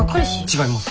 違います。